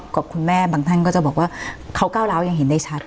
กับคุณแม่บางท่านก็จะบอกว่าเขาก้าวร้าวยังเห็นได้ชัด